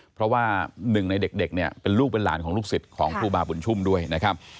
เพราะว่าหนึ่งในเด็กเนี่ยเป็นลูกเป็นหลานของลูกศิษย์ของครูบาบุญชุ่มด้วยนะครับ